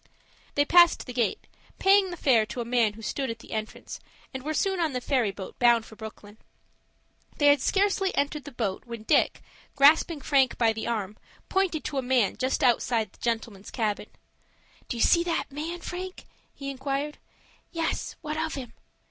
They passed the gate, paying the fare to a man who stood at the entrance, and were soon on the ferry boat, bound for Brooklyn. They had scarcely entered the boat, when Dick, grasping Frank by the arm, pointed to a man just outside of the gentlemen's cabin. "Do you see that man, Frank?" he inquired. "Yes, what of him?"